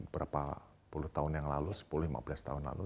berapa puluh tahun yang lalu sepuluh lima belas tahun lalu